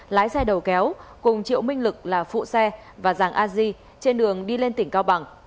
lái xe đầu kéo cùng triệu minh lực là phụ xe và giàng a di trên đường đi lên tỉnh cao bằng